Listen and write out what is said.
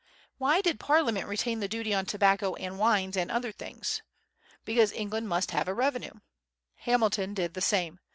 Why did Parliament retain the duty on tobacco and wines and other things? Because England must have a revenue. Hamilton did the same.